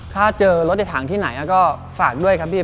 ถ้าเจอรถในถังที่ไหนก็ฝากด้วยครับพี่